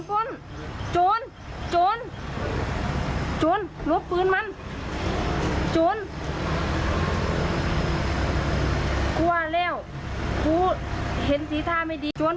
โอ้โหโจรนะครับ